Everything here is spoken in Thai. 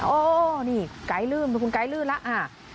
โอ้โฮนี่กายลื่นคุณกายลื่นแล้ว